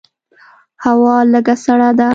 هوا لږه سړه ده.